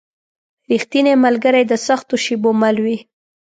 رښتینی ملګری د سختو شېبو مل وي.